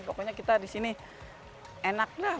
pokoknya kita di sini enak lah